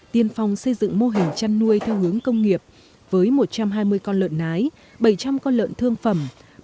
tiên phong xây dựng mô hình chăn nuôi theo hướng công nghiệp với một trăm hai mươi con lợn nái bảy trăm linh con lợn thương phẩm